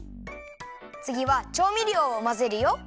つぎはちょうみりょうをまぜるよ！